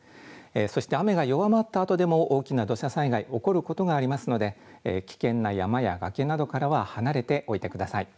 そして雨が弱まったあとでも大きな土砂災害、起こることがありますので危険な山や崖などからは離れておいてください。